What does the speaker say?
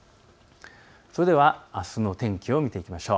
それではあすの天気を見ていきましょう。